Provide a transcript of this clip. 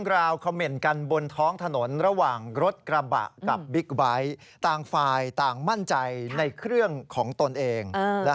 ราวเขม่นกันบนท้องถนนระหว่างรถกระบะกับบิ๊กไบท์ต่างฝ่ายต่างมั่นใจในเครื่องของตนเอง